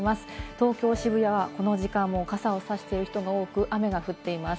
東京・渋谷はこの時間も傘をさしている人が多く、雨が降っています。